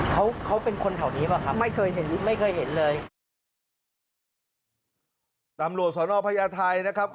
เขาเป็นคนเถ่านี้ไหมครับ